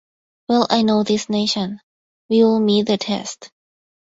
Well I know this nation. We will meet the test.